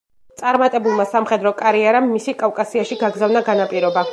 წარმატებულმა სამხედრო კარიერამ მისი კავკასიაში გაგზავნა განაპირობა.